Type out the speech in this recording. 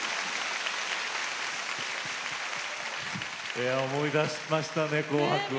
いや思い出しましたね「紅白」を。